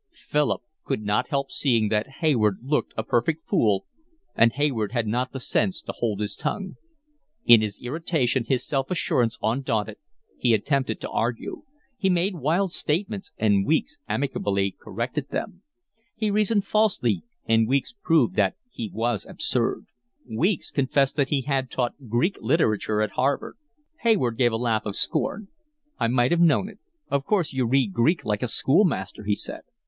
Philip could not help seeing that Hayward looked a perfect fool, and Hayward had not the sense to hold his tongue; in his irritation, his self assurance undaunted, he attempted to argue: he made wild statements and Weeks amicably corrected them; he reasoned falsely and Weeks proved that he was absurd: Weeks confessed that he had taught Greek Literature at Harvard. Hayward gave a laugh of scorn. "I might have known it. Of course you read Greek like a schoolmaster," he said.